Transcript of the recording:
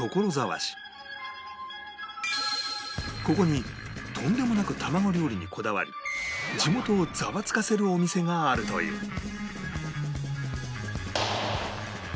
ここにとんでもなく卵料理にこだわる地元をザワつかせるお店があるという